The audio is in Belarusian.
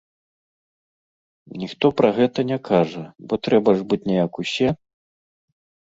Ніхто пра гэта не кажа, бо трэба ж быць не як усе.